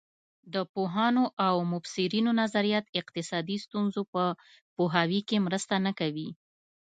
د پوهانو او مبصرینو نظریات اقتصادي ستونزو په پوهاوي کې مرسته نه کوي.